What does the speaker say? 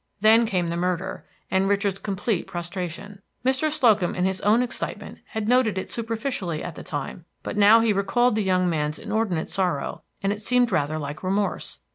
Then came the murder, and Richard's complete prostration. Mr. Slocum in his own excitement had noted it superficially at the time, but now he recalled the young man's inordinate sorrow, and it seemed rather like remorse.